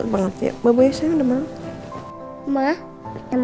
mengobati bank bank